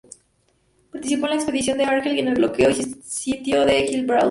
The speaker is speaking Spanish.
Participó en la expedición de Argel y en el bloqueo y sitio de Gibraltar.